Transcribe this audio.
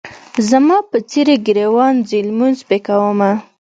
زما په څېرې ګریوان ځي لمونځ پې کومه.